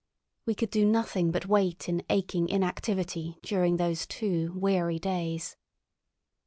We could do nothing but wait in aching inactivity during those two weary days.